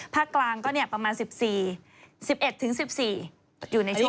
ภาคกลางก็เนี่ยประมาณ๑๔๑๑๑๔อยู่ในช่วงนี้